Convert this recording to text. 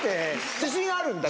自信あるんだ？